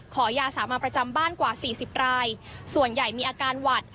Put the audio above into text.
ขอยาสามัญประจำบ้านกว่าสี่สิบรายส่วนใหญ่มีอาการหวัด